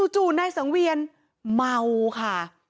จู่นายสังเวียนเมาค่ะ